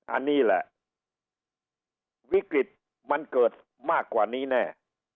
อันนี้แหละวิกฤตมันเกิดมากกว่านี้แน่